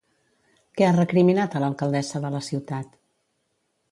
Què ha recriminat a l'alcaldessa de la ciutat?